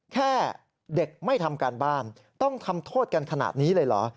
แค่เด็กไม่ทำการบ้านต้องทำโทษกันขนาดนี้เลยเหรอ